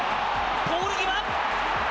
ポール際。